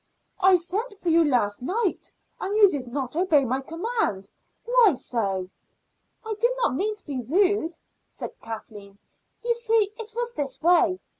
"I sent for you last night and you did not obey my command. Why so?" "I did not mean to be rude," said Kathleen. "You see, it was this way.